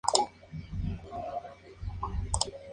Es la imagen típica del espía de "entreguerras".